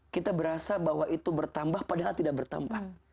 kita berasa bahwa itu bertambah padahal tidak bertambah